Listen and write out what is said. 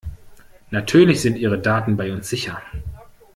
Natürlich sind ihre Daten bei uns sicher!